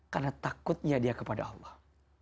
karena takutnya dia kepada allah